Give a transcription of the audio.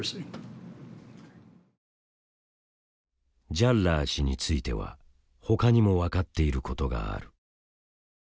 ジャッラー氏についてはほかにも分かっていることがある。